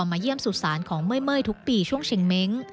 มาเยี่ยมสุสานของเมื่อยทุกปีช่วงเชงเม้ง